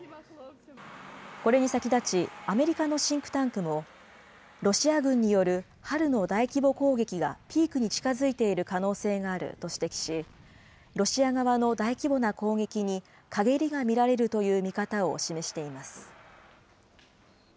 これに先立ち、アメリカのシンクタンクも、ロシア軍による春の大規模攻撃が、ピークに近づいている可能性があると指摘し、ロシア側の大規模な攻撃にかげりが見られるという見方を示しています。